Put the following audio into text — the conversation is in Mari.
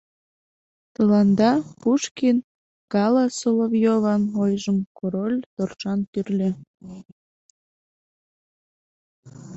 Тыланда Пушкин галаСоловьёван ойжым Король торжан кӱрльӧ.